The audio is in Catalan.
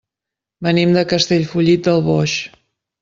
Venim de Castellfollit del Boix.